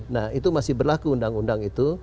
nah itu masih berlaku undang undang itu